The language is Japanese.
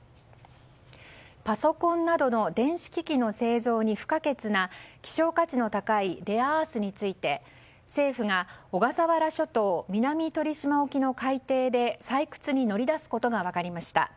パソコンなどの電子機器の製造に不可欠な希少価値の高いレアアースについて政府が小笠原諸島南鳥島沖の海底で採掘に乗り出すことが分かりました。